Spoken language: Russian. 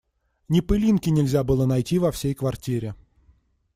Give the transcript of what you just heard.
Ни пылинки нельзя было найти во всей квартире.